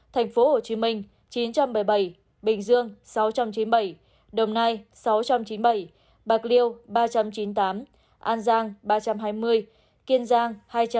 tp hcm chín trăm bảy mươi bảy bình dương sáu trăm chín mươi bảy đồng nai sáu trăm chín mươi bảy bạc liêu ba trăm chín mươi tám an giang ba trăm hai mươi kiên giang hai trăm ba mươi